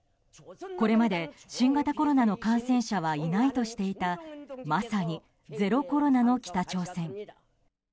これまで新型コロナの感染者はいないとしていたまさにゼロコロナの北朝鮮。